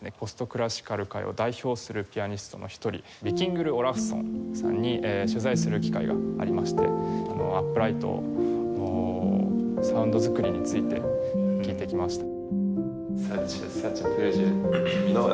クラシカル界を代表するピアニストの一人ヴィキングル・オラフソンさんに取材する機会がありましてアップライトのサウンド作りについて聞いてきました。